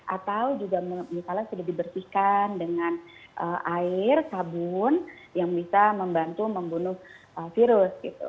atau juga misalnya sudah dibersihkan dengan air sabun yang bisa membantu membunuh virus gitu